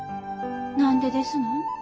何でですのん？